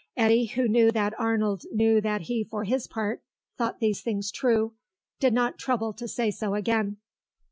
Eddy, who knew that Arnold knew that he for his part thought these things true, did not trouble to say so again.